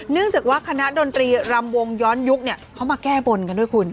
เนื่องจากว่าคณะดนตรีรำวงย้อนยุคเนี่ยเขามาแก้บนกันด้วยคุณ